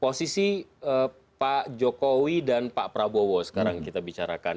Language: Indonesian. posisi pak jokowi dan pak prabowo sekarang kita bicarakan